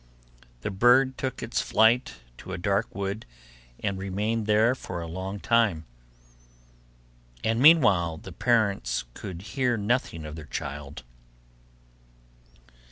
The bird took its flight to a dark wood and remained there for a long time, and meanwhile the parents could hear nothing of their child.